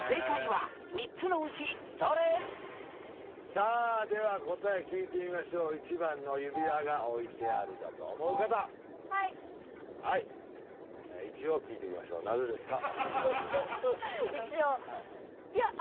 さあでは答え聞いてみましょう１番の指輪が置いてあるだと思う方はい一応聞いときましょうなぜですか？